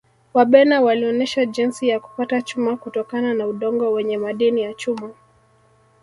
wabena walionesha jinsi ya kupata chuma kutokana na udongo wenye madini ya chuma